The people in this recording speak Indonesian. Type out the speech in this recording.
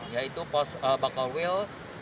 yaitu pos bakal wil